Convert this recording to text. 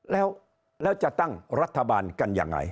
แล้วจะตั้งรัฐบาลกันยังไง